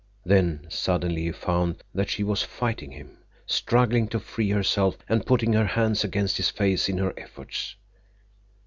Then, suddenly, he found that she was fighting him, struggling to free herself and putting her hands against his face in her efforts.